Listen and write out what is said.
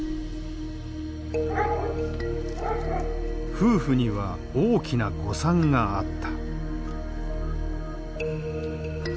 夫婦には大きな誤算があった。